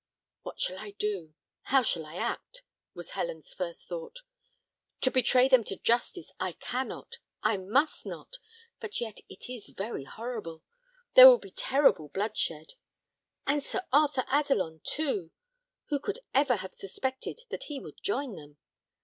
"What shall I do? How shall I act?" was Helen's first thought. "To betray them to justice I cannot, I must not; but yet it is very horrible. There will be terrible bloodshed! And Sir Arthur Adelon, too; who could ever have suspected that he would join them?